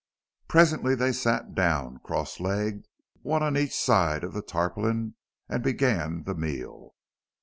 Presently they sat down, cross legged, one on each side of the tarpaulin, and began the meal.